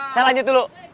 saya lanjut dulu